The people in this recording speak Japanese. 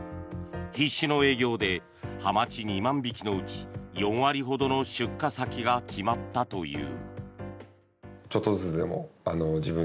必死の営業でハマチ２万匹のうち４割ほどの出荷先が決まったという。